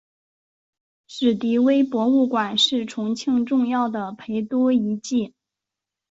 史迪威博物馆是重庆重要的陪都遗迹。